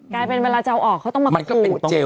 กลายเป็นเวลาจะเอาออกเขาต้องมากู้